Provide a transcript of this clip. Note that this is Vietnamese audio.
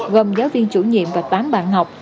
gồm giáo viên chủ nhiệm và tám bạn học